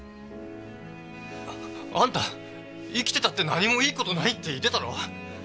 あんた生きてたって何もいい事ないって言ってたろ？